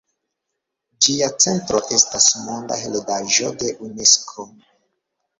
Ĝia centro estas Monda heredaĵo de Unesko.